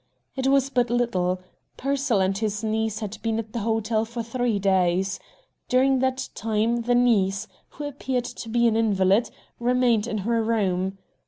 It was but little. Pearsall and his niece had been at the hotel for three days. During that time the niece, who appeared to be an invalid, remained in her room.